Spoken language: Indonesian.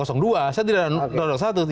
saya tidak mendesain